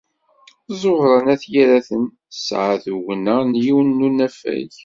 Ẓuhṛa n At Yiraten tesɛa tugna n yiwen n unafag.